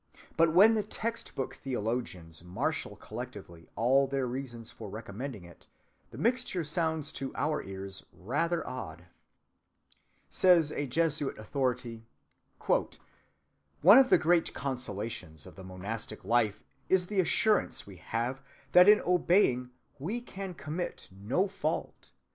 But when the text‐book theologians marshal collectively all their reasons for recommending it, the mixture sounds to our ears rather odd. "One of the great consolations of the monastic life," says a Jesuit authority, "is the assurance we have that in obeying we can commit no fault.